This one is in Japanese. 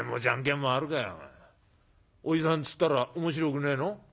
『おじさん』っつったらおもしろくねえの？